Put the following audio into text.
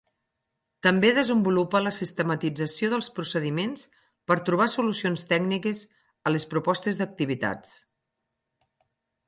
També desenvolupa la sistematització dels procediments per trobar solucions tècniques a les propostes d'activitats.